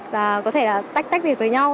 và có thể là tách tách việc với nhau